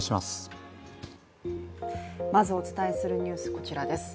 まずお伝えするニュース、こちらです。